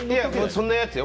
そんなやつよ。